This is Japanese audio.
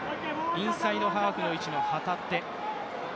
インサイドハーフの位置の旗手。